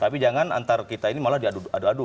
tapi jangan antar kita ini malah diadu adu